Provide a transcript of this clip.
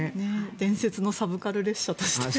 伝説のサブカル列車として。